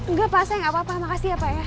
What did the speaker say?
enggak pak saya gak apa apa makasih ya pak ya